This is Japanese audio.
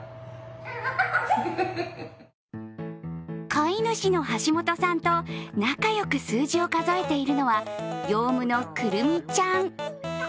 飼い主の橋本さんと仲良く数字を数えているのはヨウムのクルミちゃん。